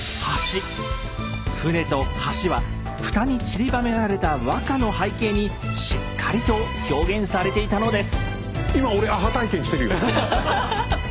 「舟」と「橋」は蓋にちりばめられた和歌の背景にしっかりと表現されていたのです。